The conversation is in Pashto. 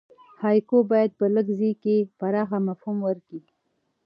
هایکو باید په لږ ځای کښي پراخ مفهوم ورکي.